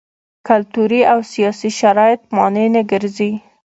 کلتوري او سیاسي شرایط مانع نه ګرځي.